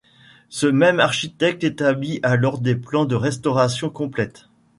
Ce même architecte établit alors des plans de restauration complète.